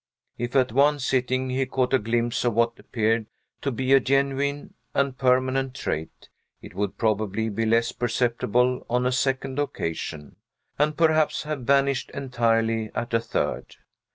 If at one sitting he caught a glimpse of what appeared to be a genuine and permanent trait, it would probably be less perceptible on a second occasion, and perhaps have vanished entirely at a third.